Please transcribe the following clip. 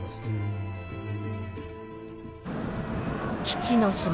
基地の島